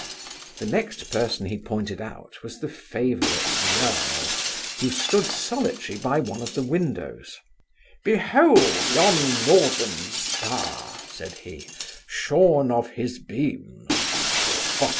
The next person he pointed out, was the favourite yearl; who stood solitary by one of the windows 'Behold yon northern star (said he) shorn of his beams' 'What!